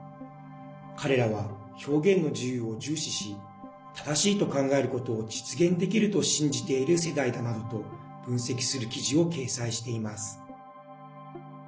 彼らは表現の自由を重視し正しいと考えることを実現できると信じている世代だなどと分析する記事を掲載しています。